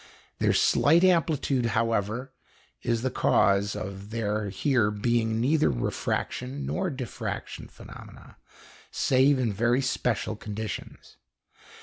Their slight amplitude, however, is the cause of there here being neither refraction nor diffraction phenomena, save in very special conditions.